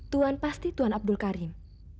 tuan pasti tuan abdul karim